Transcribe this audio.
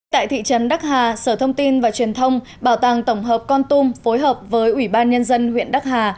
tại thị trấn đắc hà sở thông tin và truyền thông bảo tàng tổng hợp con tum phối hợp với ủy ban nhân dân huyện đắc hà